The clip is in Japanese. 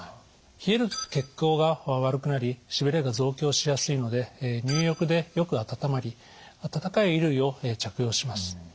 冷えると血行が悪くなりしびれが増強しやすいので入浴でよく温まりあたたかい衣類を着用します。